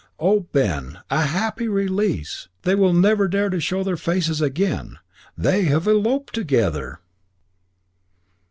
"Oh, Ben! A happy release. They will never dare to show their faces again. They have eloped together."